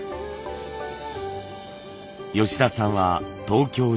吉田さんは東京出身。